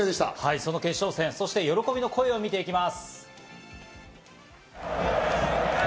その決勝戦と喜びの声を見ていきます。